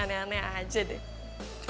aneh aneh aja deh